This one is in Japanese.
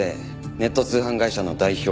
ネット通販会社の代表。